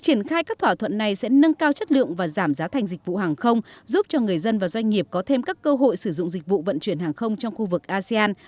triển khai các thỏa thuận này sẽ nâng cao chất lượng và giảm giá thành dịch vụ hàng không giúp cho người dân và doanh nghiệp có thêm các cơ hội sử dụng dịch vụ vận chuyển hàng không trong khu vực asean